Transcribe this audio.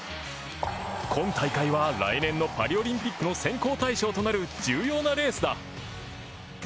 今大会は来年のパリオリンピックの選考対象となる重要なレースだ。